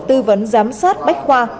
tư vấn giám sát bách khoa